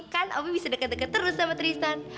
kan opi bisa deket deket terus sama tristan